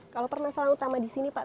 kalau permasalahan utama disini pak